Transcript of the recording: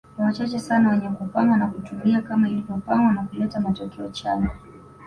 Ni wachache sana wenye kupanga na kutumia kama ilivyopangwa na kuleta matokeo chanya